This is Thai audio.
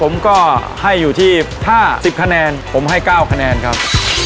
ผมก็ให้อยู่ที่ห้าสิบคะแนนผมให้เก้าคะแนนครับ